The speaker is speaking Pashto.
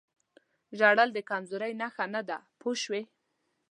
ژړل د کمزورۍ نښه نه ده پوه شوې!.